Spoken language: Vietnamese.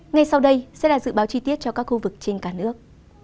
ngay sau đây sẽ là dự báo chi tiết cho các khu vực trên cả nước